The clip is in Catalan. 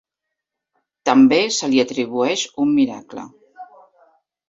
També se li atribueix un miracle.